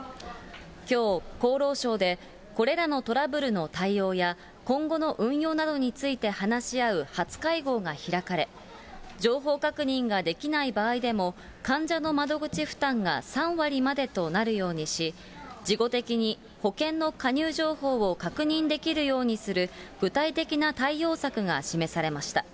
きょう、厚労省でこれらのトラブルの対応や今後の運用などについて話し合う初会合が開かれ、情報確認ができない場合でも、患者の窓口負担が３割までとなるようにし、事後的に保険の加入情報を確認できるようにする、具体的な対応策が示されました。